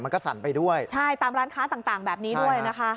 สั่นไปด้วยใช่ตามร้านค้าต่างแบบนี้ด้วยนะคะ